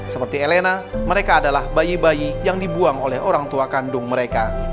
seperti elena mereka adalah bayi bayi yang dibuang oleh orang tua kandung mereka